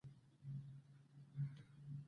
هغه ځای چې واوره لري ، هغه ډېري اوبه لري